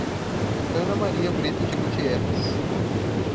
Ana Maria Brito de Gutierrez